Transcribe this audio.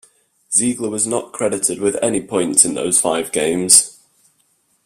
Ziegler was not credited with any points in those five games.